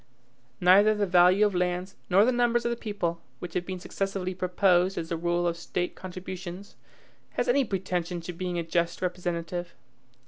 Neither the value of lands, nor the numbers of the people, which have been successively proposed as the rule of State contributions, has any pretension to being a just representative.